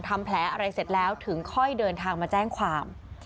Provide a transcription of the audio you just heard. ทำแผลอะไรเสร็จแล้วถึงค่อยเดินทางมาแจ้งความ